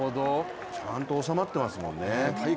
ちゃんと収まってますもんね。